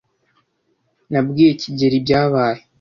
Nabwiye kigeli ibyabaye.